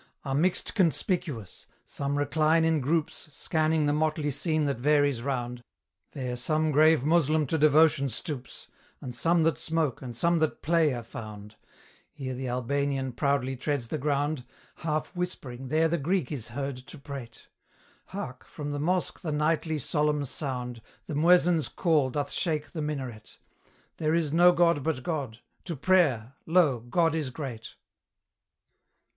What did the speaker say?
Are mixed conspicuous: some recline in groups, Scanning the motley scene that varies round; There some grave Moslem to devotion stoops, And some that smoke, and some that play are found; Here the Albanian proudly treads the ground; Half whispering there the Greek is heard to prate; Hark! from the mosque the nightly solemn sound, The muezzin's call doth shake the minaret, 'There is no god but God! to prayer lo! God is great!'